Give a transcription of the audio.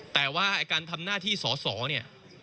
แต่ว่าการทำหน้าที่สอสอเนี่ย